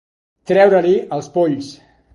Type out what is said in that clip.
Treure-li els polls.